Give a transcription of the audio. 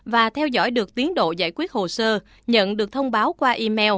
và theo dõi được tiến độ giải quyết hồ sơ nhận được thông báo qua email